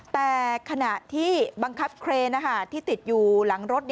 แต่ขณะที่บังคับเครนที่ติดอยู่หลังรถ